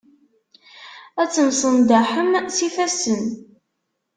Ad temsenḍaḥem s ifassen.